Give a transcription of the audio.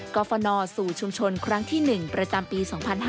กรฟนสู่ชุมชนครั้งที่๑ประจำปี๒๕๕๙